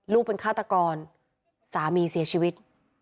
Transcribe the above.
เป็นฆาตกรสามีเสียชีวิต